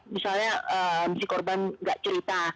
misalnya si korban nggak cerita